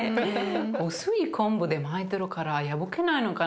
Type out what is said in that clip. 薄い昆布で巻いてるから破けないのかな？